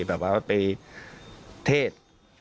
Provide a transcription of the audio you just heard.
แบบว่าไปเทศ